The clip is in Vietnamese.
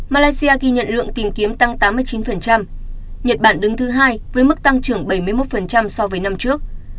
malaysia ghi nhận lượng tìm kiếm tăng tám mươi chín nhật bản đứng thứ hai với mức tăng trưởng bảy mươi một so với năm trước